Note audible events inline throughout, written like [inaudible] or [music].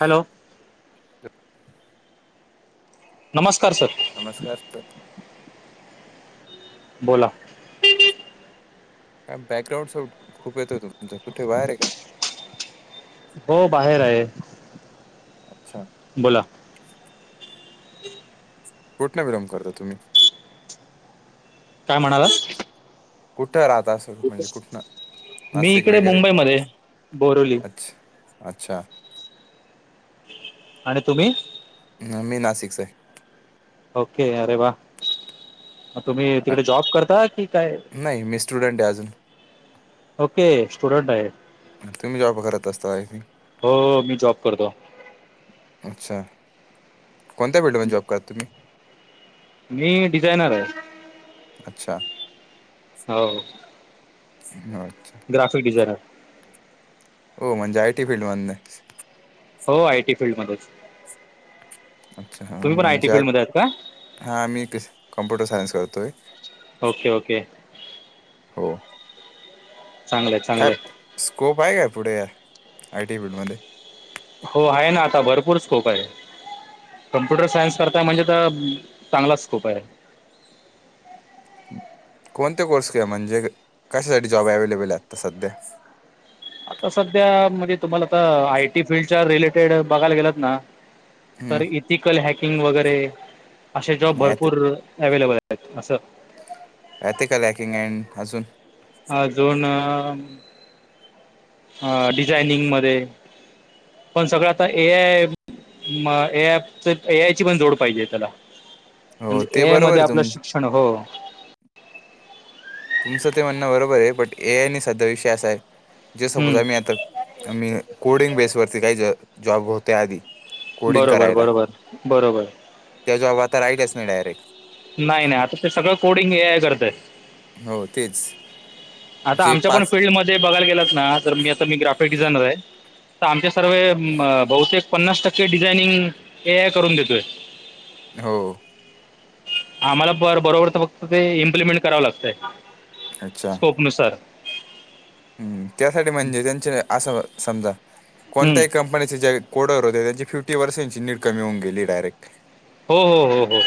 Hello. [inaudible] नमस्कार sir. नमस्कार sir. बोला. बँकग्रॉउड साउंड, खूप येतोय तुमचा. कुठंये बाहेर आहे का? हो बाहेर आहे. अच्छा [inaudible] बोला. कुठंल [unintelligible] करता तुम्ही? काय म्हणालात? कुठं राहतस? [inaudible] मी इकडे मुंबई मध्ये बोरवली. अच्छा अच्छा. आणि तुम्ही? मी नाशिक से. ओके, अरे वा! मग तुम्ही अ- तिकडे जॉब करता, कि काय? [inaudible] नाही मी स्टुडंट आहे अजून ओके, स्टुडंट आहे. [inaudible] तुम्ही जॉब करत असता आय थिंक हो मी जॉब करतो. [inaudible] अच्छा! [inaudible] कोणत्या फिल्ड मध्ये जॉब करता तुम्ही? मी डिझायनर आहे. अच्छा. हो. चांगलं वाटतं. Graphic designer. हो, म्हणजे आय टी फिल्ड मध्यनये हो, आ टी फील्ड मध्येच. अच्छा हा, तुम्ही पण आय टी म्हणजे आत फील्ड मध्ये आहेत का? हां. मी ते, कम्प्युटर सायन्स करतोय. Okay okay. हो. चांगलंय काय चांगलंय. स्कोप आहे काय पुढे आय टी फील्डमध्ये? हो आहे ना आता भरपूर स्कोप आहे. कम्प्युटर सायन्स करता म्हणजे तर चांगला स्कोप आहे. कोणते कोर्स के म्हणजे कशासाठी जॉब अव्हेलेबल आहे आता सध्या? आता सध्या म्हणजे तुम्हाला आता आयटी फील्डच्या रिलेटेड बघायला गेलात ना! तर हम्म इथिकल हॅकिंग वगैरे असे जॉब भरपूर अव्लेबल आहेत असं. एथिकल हॅकिंग ऍड अजून अजून.. ह डिझायनिंग मध्ये पण सगळं आता ए आय मग एय ए आय ची पण जोड पाहिजे त्याला हो म्हणजे ते ए आय बरोबर मध्ये आहे आपलं तुम शिक्षण अनुभव तुमचं ते म्हणणं बरोबर आहे पण ए आय आणि सध्या विषय असा आहे जे सपोज हम्म आम्ही आता आम्ही कोडिंग बेसवरती काही जॉब होते आधी. कोडिंग बरोबर बरोबर बरोबर. त्याच्या जॉबआता रा राहिलाच नाहीच डायरेक्ट. नाही नाही आता ते सगळं कोडिंग हे ए आय करतंय. हो तेच. आता जे आमच्या पण पाच फीलल्डमध्ये बघायला गेलेत ना तर मी मी ग्राफिक डिझायनर आहे. तर आमच्या सर्व बहुतेक पन्नास टक्के डिझायनिंग ए आय करून देतोय. हो आम्हाला ब बरोबर तर फक्त ते इम्प्लिमेंट करावं लागतंय. अच्छा स्कोपनुसार हम्म त्यासाठी म्हणजे त्यांचे असं समजा हम्म. कोणतही कं नी ज्या कोडर होते त्यांची फिफ्टी पर्सेंटची नीग कमी होऊ गेली डायरेक्ट. हो हो हो.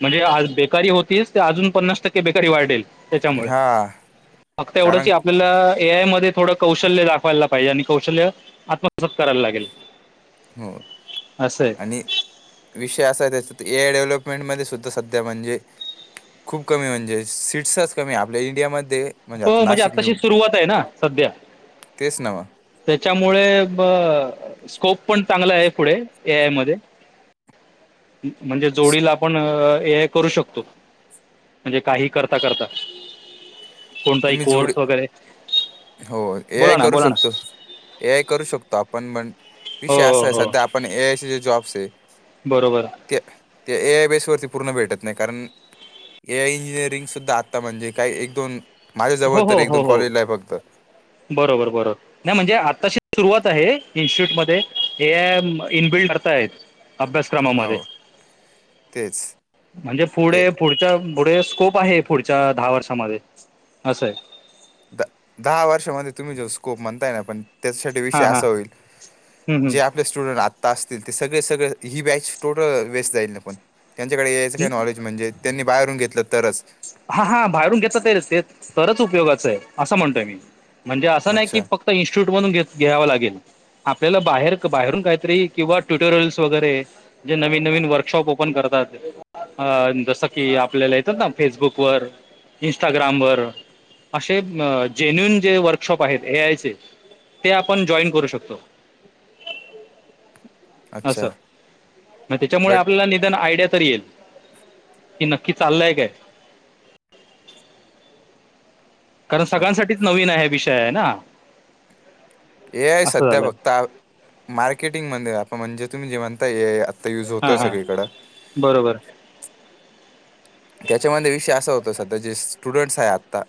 म्हणजे आज बेकारी होतीच ते अजून पन्नास टक्के बेकारी वाढेल. त्याच्यामुळे हा फक्त कारण एवढंच आपल्याला ए आय मध्ये थोडं कौशल्य दाखवायला पाहिजे आणि कौशल्य आ तस करायला लागेल हो असं आहे. आणि विषय असा आहे त्याचा ए आय डेव्हलपमेंटमध्ये सुद्धा सध्या म्हणजे खूप कमी म्हणजे सीट्सच कमी आपल्या इंडियामध्ये. आता हो म्हणजे नाशिक मी आताशी सुरुवात आहे ना सध्या. तेच ना मग त्याच्यामुळे स्कोप पण चांगला आहे पुढे ए आय मध्ये. म्हणजे जोडीला आपण ए आय करू शकतो. म्हणजे काही करता करता. कोणताही तुम्ही जोडी कोर्स वगैरे हो ए बोला आय ना करू बोला ना शकतो. ए आय करू शकतो आपण म्हण हो विषय असा आहे हो हो सध्या आपण ए आयचे जे जॉब्स आहे बरोबर ते ते ए आय बेसवरती पूर्ण भेटत नाही कारण ए आय इंजिनिअरिंग सुद्धा आता म्हणजे काही एक दोन माझ्या जवळ हो तर हो एक हो दोन हो कॉलेज ला फक्त. बरोबर बरोबर. नाही म्हणजे आताशी सुरुवात आहे इन्स्टिट्यूट मध्ये हे इनबिल्ड करता आहेत. अभ्यासक्रमामध्ये हो तेच म्हणजे ए पुढे पुढच्या पुढे स्कोप आहे. पुढच्या दहा वर्षामध्ये. असंय. द दहा वर्षामध्ये तुम्ही जो स्कोप म्हणताय ना पण त्यासाठी विषय हां असा हां होईल, जे आप हं आपले स्टुडंट आत्ता असतील. ते सगळे सगळे ही बॅच टोटल वेस्ट जाईल पण. त्यांच्याकडे ए आय च काही नॉलेज म्हणजे, त्यांनी बाहेरून घेतलं तरच. हा हा बाहेरून घेतल तरच तेच तरच उपयोगाचंय. असं म्हणतोय मी. म्हणजे असं नाही की अच्छा फक्त इन्स्टिटूट मधून घेत घ्यावा लागेल. आपल्याला बाहेर बाहेरून काहीतरी, किंवा ट्युटोरियल्स वगैरे जे नवीन नवीन वर्कशॉप ओपन करतात. जसं की आपल्याला येतात ना, फेसबुकवर, इंस्टाग्रामवर. असे जेन्युन जे वर्कशॉप आहेत. ए आयचे. ते आपण जॉईन करू शकतो. अच्छा असं, म त्याच्यामुळे बट आपल्याला निदन आयडिया तरी येईल. कि नक्की चालय काय? कारण सगळ्यांसाठीच नवीन आहे हे विषये ना. ए- आय असं सध्या झालं फक्ता मार्केटिंगमध्ये. म्हणजे तुम्ही जे म्हणताय ए आय आत यूज हां होतोय हां सगळीकड. बरोबर. त्याच्यामध्ये विषय असा होता. सध्या जे स्टुडंट्स हाये आत्ता.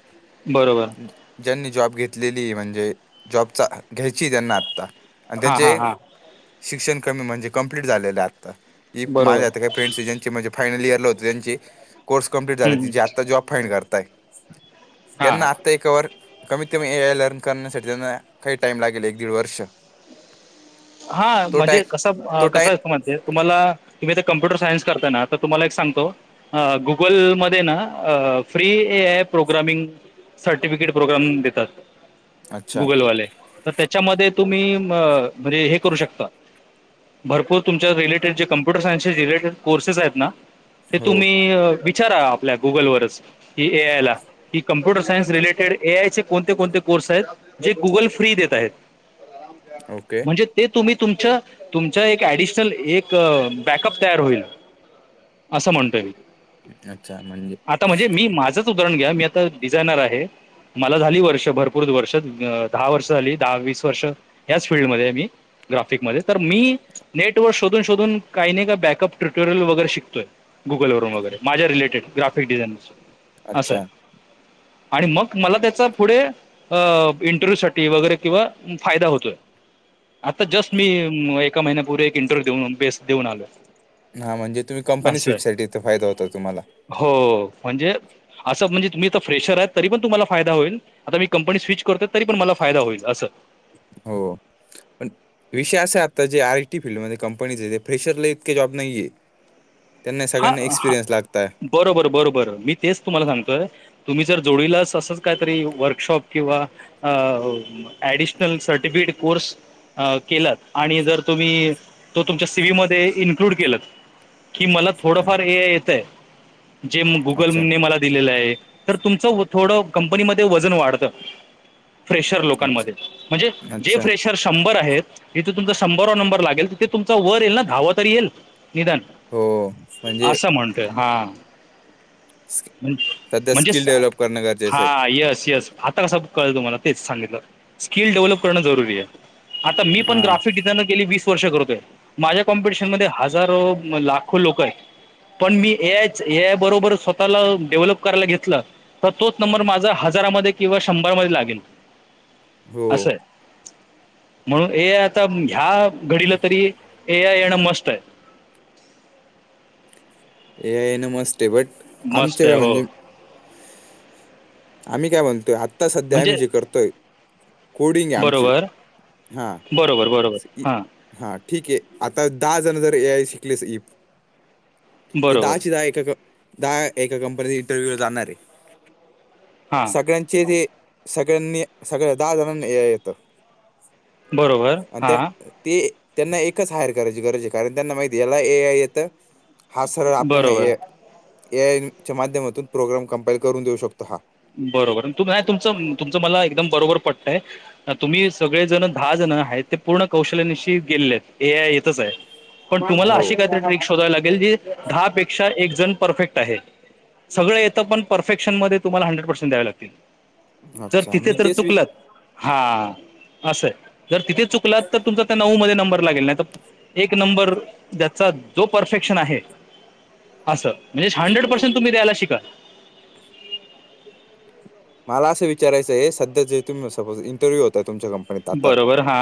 बरोबर. ज्यांनी जॉब घेतलेली. म्हणजे जॉबचा घ्यायचीय त्यांना आत्ता. आणि हां हां त्यांचे हां शिक्षण कमी म्हणजे कंप्लीट झालेलेय आता. इप बरोबर माझ्या आता काही फ्रेंड्से ज्यांच्या म्हणजे फायनल इयरला होते. त्यांची कोर्स कंप्लीट झाले हं, हं. तिचे आता जॉब फाइड करताय. हां हां त्यांना ते कवर कमीत -कमी ऐअलन करण्यासाठी त्यांना काही टाइम लागेल. एक दीड वर्ष हा तो टाइ म्हणजे कसा तो टाइ -कसा अस म्हणत्या. तुम्हाला तुम्ही ते कम्प्युटर सायन्स करताय ना, तर तुम्हाला एक सांगतो. हा गुगलमध्ये ना फ्री एय प्रोग्रामिंग सर्टिफिकेट प्रोग्राम देतात. अच्छा गुगलवाले. तर त्याच्यामध्ये तुम्ही म म्हणजे हे करू शकता. भरपूर तुमच्या रिलेटेड जे कम्प्यटर सायन्स चे रिलेटेड कोर्सेस आहेत ना. ते हो तुम्ही विचारा आपल्या गुगलवरच. की ए आय ला. की computer science related A I चे कोणते कोणते कोर्स आहेत? जे गुगल फ्री देत आहेत? ओके. म्हणजे ते तुम्ही तुमच्या, तुमच्या एक ऍडिशनल एक बॅकअप तयार होईल. असं म्हणतोय मी, अच्छा म्हणजे आता म्हणजे मी माझं च उदाहरण घ्या. मी आता डिझायनर आहे. मला झाली वर्ष भरपूर वर्ष. अ दहा वर्ष झाली. दहा वीस वर्ष. ह्याच फीलल्डमध्ये आहे. मी ग्राफिकमध्ये. तर मी नेट वर शोधून- शोधून काही नाही का बॅकअप ट्युटोरियल वगैरे शिकतोय. गुगल वरून वगैरे. माझ्या रिलेटेड. ग्राफिक डिझाईन असं. असय. अच्छा आणि मग मला त्याचा पुढे अ इंटरव्ह्यू साठी वगैरे किंवा फायदा होतोय. आता जस्ट मी एका महिन्यापूर्वी एक इंटरव्ह्यू देऊन, बेस देऊन आलोय. हा म्हणजे तुम्ही कंपनी स्विचसाठी इथं फायदा होतोय. तुम्हाला हो म्हणजे असं म्हणजे तुम्ही तर फ्रेशर आहेत. तरी पण तुम्हाला फायदा होईल? आता मी कंपनी स्विच करतोय [inaudible] तरी पण मला फायदा होईल असं. हो [inaudible] पण विषय असा आहे. आता जे आर आयटी फीलडमध्येध्ये कंपनीचे ते फेशरला इतके जॉब नाहीये. [unintelligible] त्यांना सगळ्यांना हा एक्सपिरीयन्स लागतात. बरोबर -बरोबर मी तेच तुम्हाला सांगतोय. तुम्ही जर [inaudible] जोडीलास असंच काहीतरी वर्कशॉप किंवा अ ऍडिशनल सर्टिफिकेट कोर्स [inaudible] हा केलात आणि जर तुम्ही तो तुमच्या सीवी मध्ये इन्क्लूड केलात [inaudible] की मला थोडंफार ए आय येतंय जे गुगल अच्छा ने मला दिलेलं आहे तर तुमचं थोडं कंपनीमध्ये वजन वाढत. [inaudible] फ्रेशर लोकांन [inaudible] अच्छा मध्ये म्हणजे जे अच्छा फ्रेश तर शंभर आहेत. जिथे तुमचा शंभरावा नंबर लागेल तिथे तुमचा वर येईल, ना दहावा [inaudible] तरी येईल, निदान हो, म्हणजे असं म्हणतोय हा [inaudible] स्क सध्या म्हणजे स्किल डेव्हलप करणं गरजेचं आहे. हा यस यस आता कसा- कळल तुम्हाला तेच सांगितलं. स्किल डेव्हलप करणं जरुरी आहे. आता मी पण हा. ग्राफिक डिझानर केली वीस वर्ष करतोय. माझ्या कॉम्पिटिशन मध्ये हजारो लाखो लोक आहेत. पण मी ए आयच ए आयबरोबर स्वतःला डेव्हलप करायला घेतल. तर तोच नंबर माझा हजारामध्ये किंवा शंभरमध्ये लागेल. हो असं हाय म्हणून एआय आता ह्या घडीला तरी, ए आय येण मस्ट आहे. A I A N must आहे. बट मस्ट आमच्या आहे काय हो, म्हणजे आम्ही काय म्हणतोय? आत्ता सध्या आम्ही म्हणजे जे करतोय. कोडिंग आहे आमची बरोबर हा बरोबर बरोबर हां हा ठीक आहे, आता दहा जण जर ए आय शिकलेस इई ते बरोबर दहाच्या दहा एका दहा एका कंपनी इंटरव्ह्यूला जाणार आहे. हां सगळ्यांचे ते सगळ्यांनी सगळ्या दहा जणांना ए आय येत. बरोबर आणि त्या हां ते त्यांना एकच हायर करायची गरज आहे. कारण त्यांना माहिती याला ए आय येतं. हा सरळ आपल्याला बरोबर ए ए आय च्या माध्यमातून प्रोग्राम कंपाइल करून देऊ शकतो. हा बरोबर तु नाही तुमचं तुमचं मला एकदम बरोबर पटतंय. तुम्ही सगळे जण दहा जण आहेत ते पूर्ण कौशल्याशी गेलेले आहेत. ए आ आय येतच आहे. पण तुम्हाला हो. अशी काही तरी, ट्रिक शोधाय लागेल जी दहा पेक्षा एक जण परफेक्ट आहे. सगळ येत पण परफेक्शन मध्ये तुम्हाला हंड्रेड पर्सेंट द्यावे लागतील, जर अच्छा तिथे मी तर तेच वि चुकलत. हा असं जर तिथे चुकलात तर तुमचा त्यां नऊ नंबर लागेल नाही एक नंबर ज्याचा परफेक्शन आहे. असं म्हणजे हंड्रेड पर्सेंट तुम्ही द्यायला शिका. मला असं विचारयं आहे. सध्या जे तुम्ही सपोज इंटरव्हू होता तमच्या काम बरं बरं हा,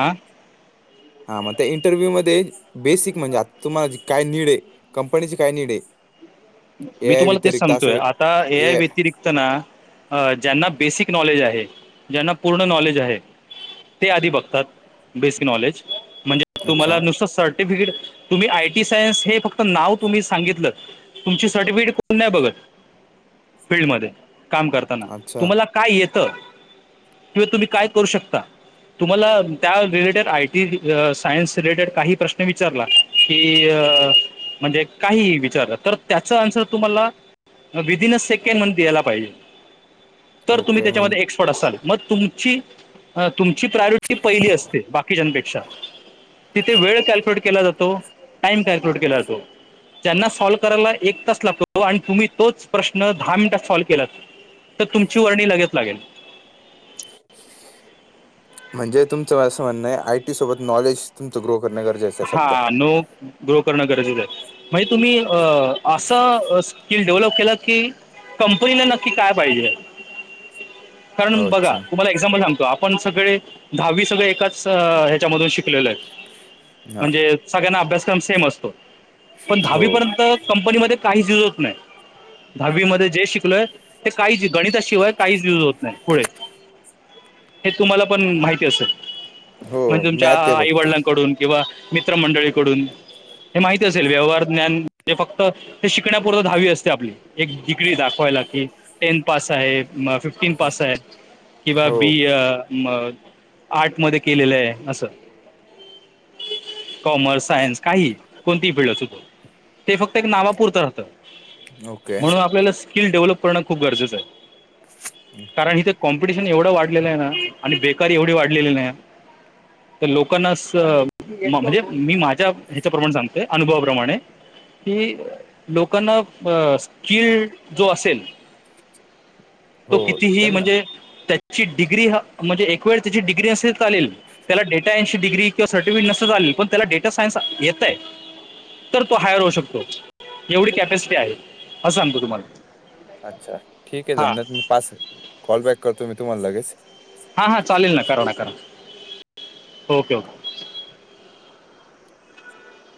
हा मग ते इंटरव्ह्यू मध्येच. बेसिक म्हणजे, आता तुम्हाला काय नीड आहे. कंपनीची काय नीड आहे. ए मी आय तुम्हाला तेच व्यतिरिक्त असं सांगतोय, आता ए आय व्यतिरिक्त तना, ज्यांना बेसिक नॉलेज आहे. ज्यांना पूर्ण नॉलेज आहे. ते आधी बघतात. Basic knowledge. म्हणजे अच्छा तुम्हाला नुसतं सर्टिफिकेट, तुम्ही आय टी सायन्स हे फक्त नाव तुम्ही सांगितलं तुमची सर्टिफिकेट कोण नाही बघत. फीलडमध्ये, काम करताना. अच्छा तुम्हाला काय येत, किंवा तुम्ही काय करू शकता तुम्हाला त्या related IT science related काही प्रश्न विचारला कि अ, म्हणजे काही विचारलं तर त्याचा आन्सर तुम्हाला, विदिन अ सेकंड मध्ये द्यायला पाहिजे. तर तुम्ही ओके म्हण त्याच्यामध्ये एक थोडासा, मग तुमची, तुमची प्रायोरिटी पहिली असते बाकीच्यापेक्षा तिथे वेळ कॅल्क्युलेट केला जातो. टाइम कॅल्क्युलेट केला जातो. ज्याना सल्व करायला एक तास लागतो, आणि तुम्ही तोच प्रश्न दहा सॉल्व केला तर तुमची वर्णी लगेच लागेल. [inaudible] म्हणजे तुमचं असं म्हणं आहे आ यटी सोबत नॉलेज तुमचं ग्रो करणे गरजेचं आहे हा सध्या. नो ग्रो करणं गरजेचं आहे. म्हणजे तुम्ही अ असा स्किल डेव्हलप केला की कंपनीला नक्की काय पाहिजे, हो कारण बघा अच्छा तुम्हाला एक्झाम्पल सांगतो आप पण सगळे दहावी सगळे एकाच ह्याच्यामधून शिकलेल आहे. हा म्हणजे सगळ्यांना अभ्यासक्रम सेम असतो. पण हो दहावीपर्यंत कंपनीमध्ये काहीच यूज होत नाही. दहावी मध्ये जे शिकलोय ते काहीच गणिताशिवाय काहीच युज होत नाही पुढे हे तुम्हाला पण माहिती असेल. हो म्हणजे तुमच्या मॅथ आहे फक्त आईवडिलांकडून किंवा मित्र मंडळीकडून, हे माहती असेल. व्यवहार ज्ञान म्हणजे फक्त ते शिकण्यापूर्त दहावी असते आपली, एक डिग्री दाखवायला की टेन पास आहे. म फिफ्टीन पास आहे, किंवा हो बी य म आर्ट मध्ये केलेलं आहे. असं कॉमर्स, सायन्स काही कोणती फिल्ड असो, ते फक्त एक नावापुरतं राहतं. ओके म्हणून आपल्याला स्किल डेव्हलप करणं खूप गरजेचं आहे. अच्छा कारण इथ कॉम्पिटिशन एवढं वाढलेलं आहे ना, आणि बेकारी एवढी वाढलेली नाही. लोकांना आस म्हणजे मी माझ्या ह्याच्याप्रमाणे सांगतोय, अनुभवाप्रमाणे कि लोकांना अ कि जो असेल, तो हो कितीही त्यांना म्हणजे त्या ची डिग्री हा, म्हणजे एक वेळ त्याची डिग्री असे चालेल, त्याला डेटान् डग्री किं सर्टिफिकेट नसेल तर चालेल, पण त्याला डेटा सायन्स येतंय तर तो हायर होऊ शकतो, एवढी कॅपॅसिटी आहे. असं सांगतो तुम्हाला. अच्छा, ठीक आहे. हां त्यांना मी पास कॉल बॅक करतो, मी तुम्हाला लगेच. हा-हा चालेल ना, करा ना करा, ओके-ओके.